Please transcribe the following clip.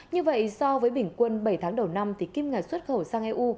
như vậy so với bình quân bảy tháng đầu năm kim ngài xuất khẩu sang eu